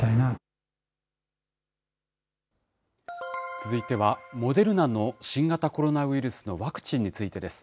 続いては、モデルナの新型コロナウイルスのワクチンについてです。